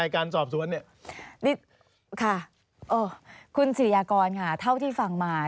อ๋อค่ะค่าคุณสิริยากรค่ะท่าที่ฟังมา